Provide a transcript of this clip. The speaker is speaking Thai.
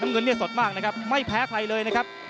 เงินเนี่ยสดมากนะครับไม่แพ้ใครเลยนะครับ